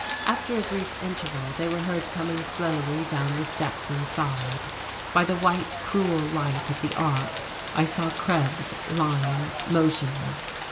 After a brief interval, they were heard coming slowly down the steps inside. By the white, cruel light of the arc I saw Krebs lying motionless....